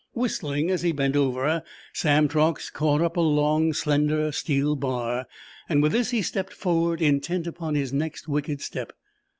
Whistling, as he bent over, Sam Truax caught up a long, slender steel bar. With this he stepped forward, intent upon his next wicked step.